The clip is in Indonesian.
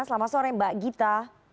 selamat sore mbak gita